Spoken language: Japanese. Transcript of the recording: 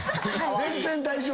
全然大丈夫。